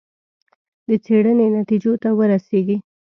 د څېړنې نتیجو ته ورسېږي.